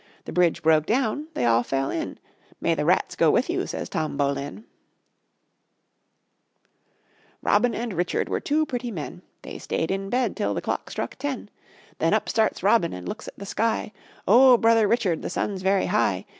The bridge broke down, They all fell in; "May the rats go with you," Says Tom Bolin. Robin and Richard Were two pretty men; They stayed in bed Till the clock struck ten. Then up starts Robin And looks at the sky: "Oh, brother Richard, The sun's very high.